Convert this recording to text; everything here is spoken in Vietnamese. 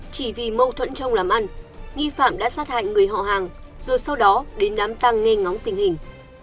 chỉ vì mâu thuẫn trong làm ăn nghi phạm đã sát hại người họ hàng rồi sau đó đến đám tăng nghe ngóng tình hình